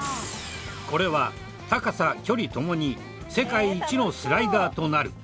これは高さ距離ともに世界一のスライダーとなる。